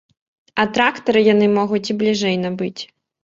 А трактары яны могуць і бліжэй набыць.